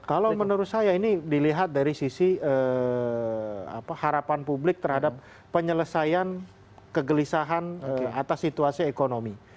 kalau menurut saya ini dilihat dari sisi harapan publik terhadap penyelesaian kegelisahan atas situasi ekonomi